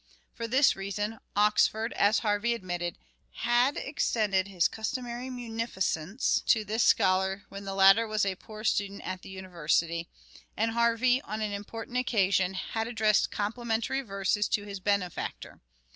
For this reason : Oxford, as Harvey admitted, had extended his customary munificence to this scholar when the latter was a poor student at the university ; and Harvey, on an important occasion, had addressed complimentary verses to his benefactor.